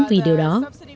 vì điều đó